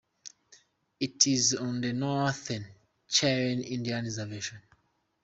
It is on the Northern Cheyenne Indian Reservation.